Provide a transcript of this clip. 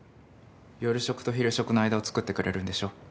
夜職と昼職の間を作ってくれるんでしょ。